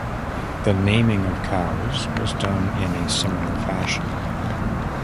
The naming of Cowes was done in a similar fashion.